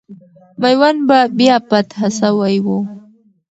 میوند به بیا فتح سوی وو.